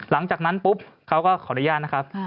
หลังจากนั้นปุ๊บเขาก็ขออนุญาตนะครับ